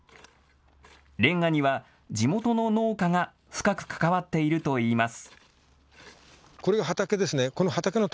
レンガには地元の農家が深く関わっていると言います。